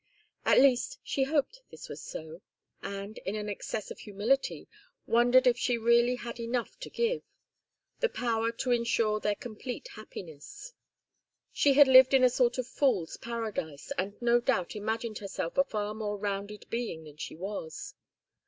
At least she hoped this was so, and, in an excess of humility, wondered if she really had enough to give the power to insure their complete happiness. She had lived in a sort of fool's paradise, and no doubt imagined herself a far more rounded being than she was.